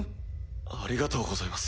ありがとうございます。